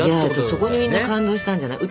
そこにみんな感動したんじゃない？